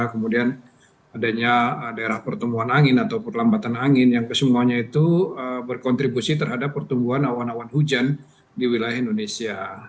kemudian adanya daerah pertumbuhan angin atau perlambatan angin yang kesemuanya itu berkontribusi terhadap pertumbuhan awan awan hujan di wilayah indonesia